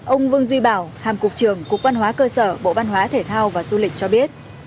ông vương duy bảo hàm cục trưởng cục văn hóa cơ sở bộ văn hóa thể thao và du lịch cho biết